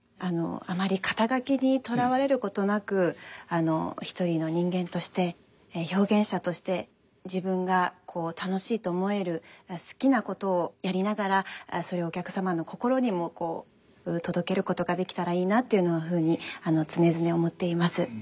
あまり肩書にとらわれることなく一人の人間として表現者として自分が楽しいと思える好きなことをやりながらそれをお客様の心にも届けることができたらいいなっていうふうに常々思っています。